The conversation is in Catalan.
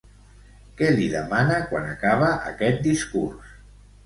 Què li demana quan acaba aquest discurs?